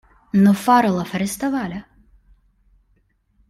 Но Фаррелов арестовали.